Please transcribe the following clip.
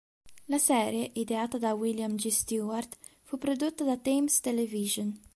La serie, ideata da William G. Stewart, fu prodotta da Thames Television.